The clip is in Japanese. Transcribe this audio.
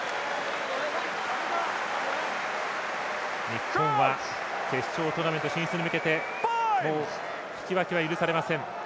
日本は決勝トーナメント進出に向けてもう引き分けは許されません。